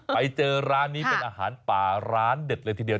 ไปเจอร้านนี้เป็นอาหารป่าร้านเด็ดเลยทีเดียว